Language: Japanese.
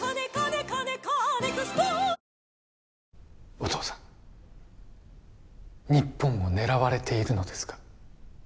お父さん日本を狙われているのですか？